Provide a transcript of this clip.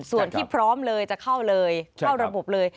ส่วนที่พร้อมเลยจะเข้าเลยเข้าระบบเลย